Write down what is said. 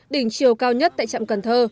đỉnh chiều cao nhất tại trạm cần thơ